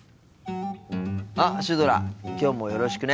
あっシュドラきょうもよろしくね。